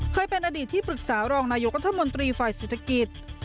เคยเป็นอดีตที่ปรึกษารองนายกรัฐมนตรีฝ่ายเศรษฐกิจ